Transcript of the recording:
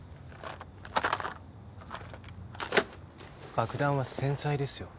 爆弾は繊細ですよ？